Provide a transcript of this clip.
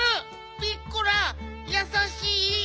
ピッコラやさしい。